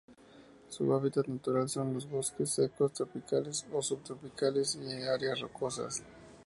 Su hábitat natural son los bosques secos tropicales o subtropicales y áreas rocosas.